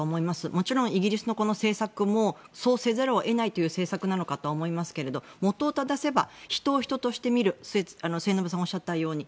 もちろんイギリスの政策もそうせざるを得ないという政策なのかとは思いますがもとをただせば人を人として見る末延さんがおっしゃったように。